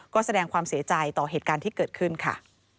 ก็แสดงความเสียใจต่อเหตุการณ์ที่เกิดขึ้นค่ะ